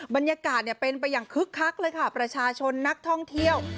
บรรยากาศเป็นไปอย่างคึกคักเลยค่ะประชาชนนักท่องเที่ยว